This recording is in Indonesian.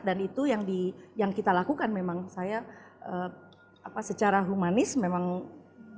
dan itu yang kita lakukan memang saya secara humanis memang datang ke seluruh warga mengetuk rumahnya